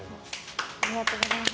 ありがとうございます。